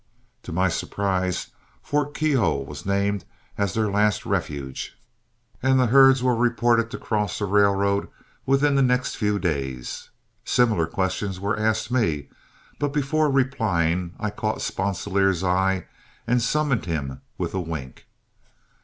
To my surprise, Fort Keogh was named as their last refuge, and the herds were reported to cross the railroad within the next few days. Similar questions were asked me, but before replying, I caught Sponsilier's eye and summoned him with a wink.